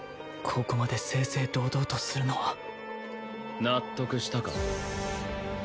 ここまで正々堂々とするのは納得したか？